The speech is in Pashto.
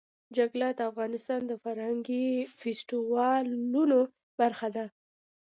جلګه د افغانستان د فرهنګي فستیوالونو برخه ده.